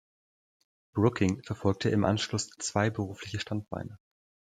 Brooking verfolgte im Anschluss zwei berufliche Standbeine.